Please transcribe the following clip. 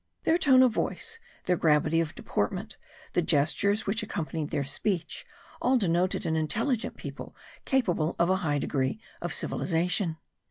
Their tone of voice, their gravity of deportment, the gestures which accompanied their speech, all denoted an intelligent people capable of a high degree of civilization.